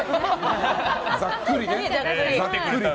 ざっくりね。